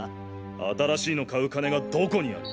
新しいの買う金がどこにある？